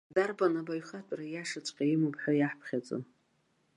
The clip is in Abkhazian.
Дарбану абаҩхатәра иашаҵәҟьа имоуп ҳәа иаҳаԥхьаӡо?